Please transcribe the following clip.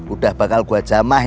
udah bakal gua jamah